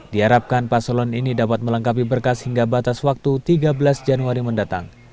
di harapkan paslon ini dapat melengkapi berkas hingga batas waktu tiga belas januari mendatang